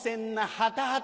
ハタハタ！